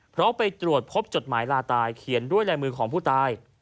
เพราะไปตรวจพบจดหมายลาตายเขียนด้วยลายมือของผู้ตาย